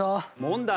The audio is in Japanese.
問題。